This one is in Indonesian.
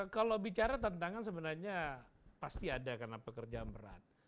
kalau bicara tantangan sebenarnya pasti ada karena pekerjaan berat